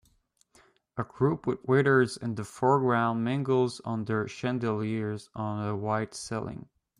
A group with waiters in the foreground mingles under chandeliers on a white ceiling.